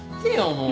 もう。